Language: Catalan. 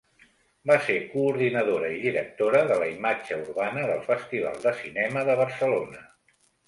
Va ser coordinadora i directora de la imatge urbana del Festival de Cinema de Barcelona.